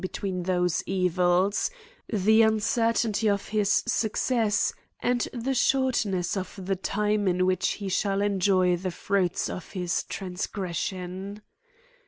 between those evils, the un certainty of his success, and the shortness of the time in which he shall enjoy the fruits of his transgression.